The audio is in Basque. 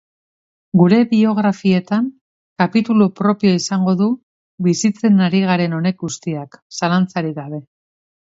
Gure biografietan kapitulu propioa izango du bizitzen ari garen honek guztiak zalantzarik gabe.